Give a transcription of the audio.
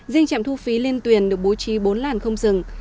riêng trạm thu phí liên tuyển được bố trí bốn làn không dừng